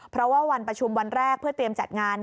เพราะว่าวันประชุมวันแรกเพื่อเตรียมจัดงาน